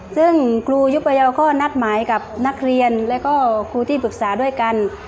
ซึ่งครูยุคพยาวก็นัดหมายกับนักเรียนแล้วก็ครูที่ปรึกษาด้วยกัน